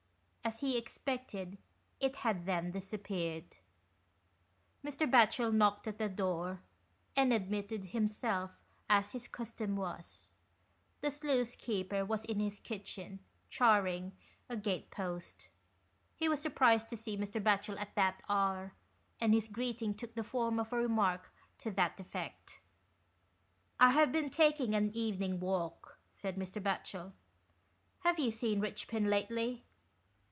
As he expected, it had then disappeared. Mr. Batchel knocked at the door, and ad mitted himself, as his custom was. The sluice keeper was in his kitchen, charring a gate post. He was surprised to see Mr. Batchel at that hour, and his greeting took the form of a remark to that effect. 66 GHOST TALES. " I have been taking an evening walk," said Mr, Batchel. " Have you seen Richpin lately